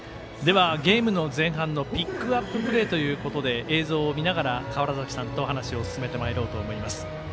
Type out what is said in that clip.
ゲームの前半のピックアッププレーということで映像を見ながらお話を進めていこうと思います。